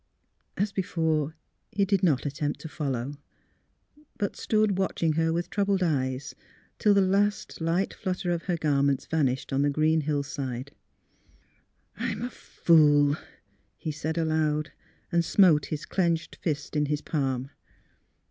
" As before, he did not attempt to follow; but stood watching her with troubled eyes, till the last WINGS OF THE MORNING 207 light flutter of her garments vanished on the green hillside. *' I am a fool !" he said, aloud. And smote his clenched fist in his palm.